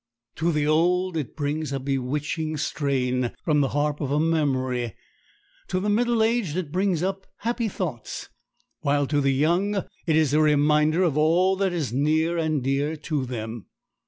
To the old it brings a bewitching strain from the harp of memory, to the middle aged it brings up happy thoughts, while to the young it is a reminder of all that is near and dear to them.